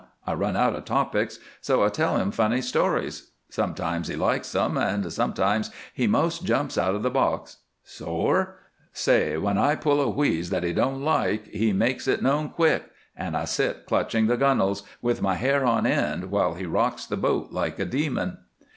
I run out of topics, so I tell him funny stories. Sometimes he likes them, and sometimes he 'most jumps out of the box. Sore? Say, when I pull a wheeze that he don't like he makes it known quick, and I sit clutching the gunnels, with my hair on end while he rocks the boat like a demon.